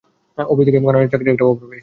Office থেকে কানাডায় চাকরির একটা অফার পেয়েছি।